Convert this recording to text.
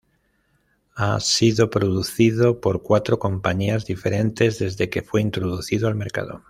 Ha sido producido por cuatro compañías diferentes desde que fue introducido al mercado.